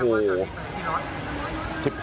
โอ้โห